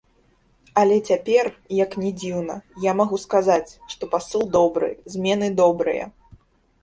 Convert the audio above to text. Але цяпер, як ні дзіўна, я магу сказаць, што пасыл добры, змены добрыя.